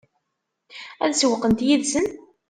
Ad sewweqent yid-sen?